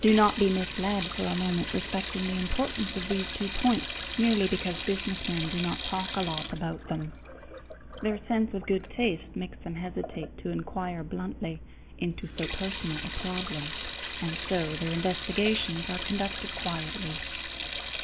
Do not be misled for a moment respecting the importance of these two points merely because businessmen do not talk a lot about them. Their sense of good taste makes them hesitate to inquire bluntly into so personal a problem, and so their investigations are conducted quietly.